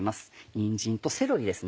にんじんとセロリです。